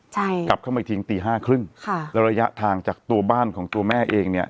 ใช่กลับเข้ามาอีกทีตีห้าครึ่งค่ะแล้วระยะทางจากตัวบ้านของตัวแม่เองเนี่ย